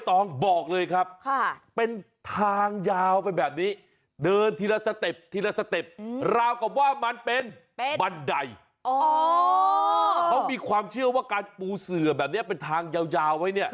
แต่ไอ้ที่ไม่ปกติคือเสือมาปูเอาไว้เป็นทางยาว